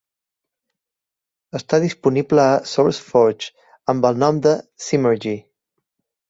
Està disponible a SourceForge amb el nom de "Simergy".